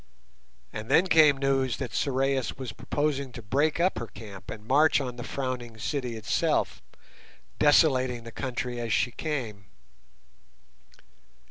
And then came news that Sorais was proposing to break up her camp and march on the Frowning City itself, desolating the country as she came.